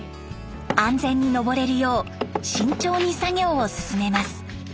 安全に上れるよう慎重に作業を進めます。